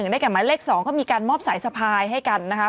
ได้แก่หมายเลข๒ก็มีการมอบสายสะพายให้กันนะคะ